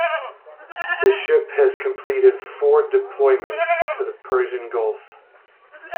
The ship has completed four deployments to the Persian Gulf.